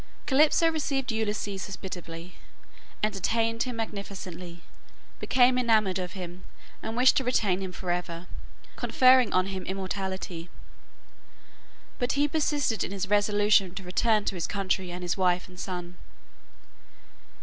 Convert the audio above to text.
Calypso received Ulysses hospitably, entertained him magnificently, became enamoured of him, and wished to retain him forever, conferring on him immortality. But he persisted in his resolution to return to his country and his wife and son.